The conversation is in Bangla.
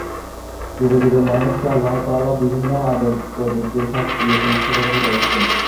যুগে যুগে মানুষকে আল্লাহু তাআলা বিভিন্ন আজাব-গজব দিয়ে শাস্তি দিয়েছেন, সতর্ক করেছেন।